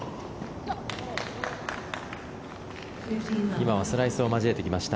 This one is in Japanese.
今はスライスを交えてきました